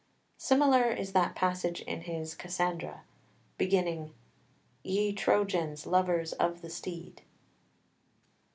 Similar is that passage in his "Cassandra," beginning "Ye Trojans, lovers of the steed."